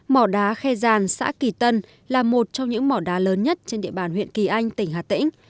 mỏ đá khe giàn xã kỳ tân là một trong những mỏ đá lớn nhất trên địa bàn huyện kỳ anh tỉnh hà tĩnh